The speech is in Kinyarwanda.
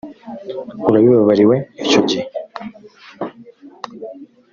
urabibabariwe icyo gihe